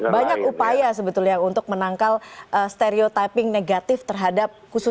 banyak upaya sebetulnya untuk menangkal stereotyping negatif terhadap khusus